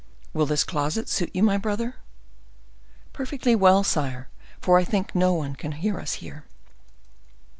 "Will this closet suit you, my brother?" "Perfectly well, sire; for I think no one can hear us here."